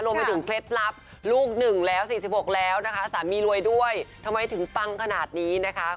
รวมไปถึงเคล็ดลับลูกหนึ่งแล้ว๔๖แล้วนะคะสามีรวยด้วยทำให้ถึงปังขนาดนี้นะคะ